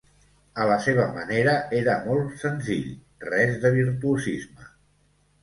A la seva manera, era molt senzill, res de virtuosisme.